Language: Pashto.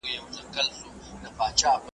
ته ولي کښېناستل کوې،